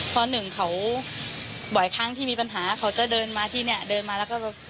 พอหนึ่งเขาบ่อยครั้งที่มีปัญหาเขาจะเดินมาที่เนี่ยเดินมาแล้วก็